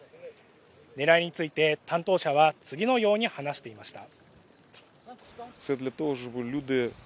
ねらいについて担当者は次のように話していました。